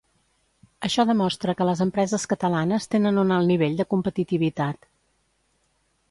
Això demostra que les empreses catalanes tenen un alt nivell de competitivitat.